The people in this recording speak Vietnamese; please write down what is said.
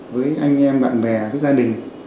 với anh em bạn bè với gia đình